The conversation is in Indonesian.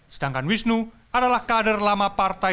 sedangkan wisnu adalah kader lama partai